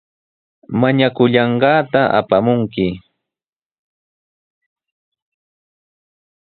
Mañakullanqaata apamunki.